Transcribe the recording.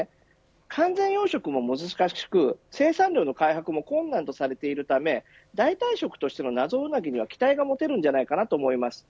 完全養殖も難しく、生産量の開発も困難とされているため代替食としての謎うなぎでは期待できると思います。